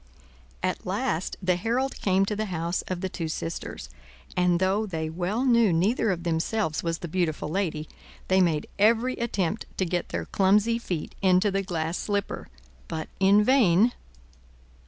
At last the herald came to the house of the two sisters, and though they well knew neither of themselves was the beautiful lady, they made every attempt to get their clumsy feet into the glass slipper, but in vain.